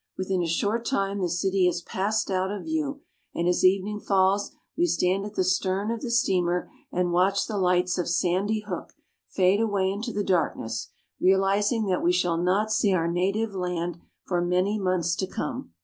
Within a short time the city has passed out of view, and as evening falls we stand at the stern of the steamer and watch the lights of Sandy Hook fade away into the dark ness, realizing that we shall not see our native land for many months to come.